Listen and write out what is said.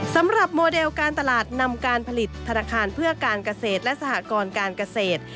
สำหรับโมเดลการตลาดนำการผลิตธนาคารเพื่อการเกษตรและสหกรการเกษตร